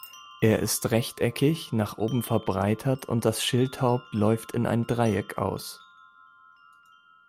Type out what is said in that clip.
Er ist rechteckig, nach oben verbreitert, und das Schildhaupt läuft in ein Dreieck aus.